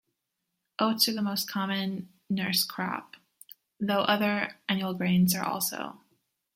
Oats are the most common nurse crop, though other annual grains are also.